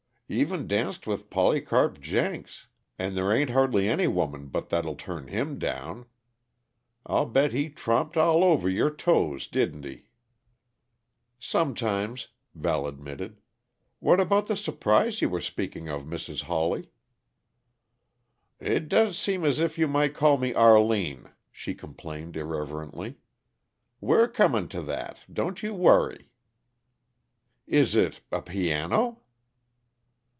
Even danced with Polycarp Jenks and there ain't hardly any woman but what'll turn him down; I'll bet he tromped all over your toes, didn't he?" "Sometimes," Val admitted. "What about the surprise you were speaking of, Mrs. Hawley?" "It does seem as if you might call me Arline," she complained irrelevantly. "We're comin' to that don't you worry." "Is it a piano?"